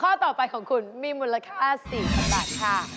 ข้อต่อไปของคุณมีมูลค่า๔๐๐๐บาทค่ะ